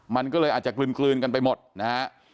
มันก็เลยอาจจะกลืนกันไปหมดนะฮะ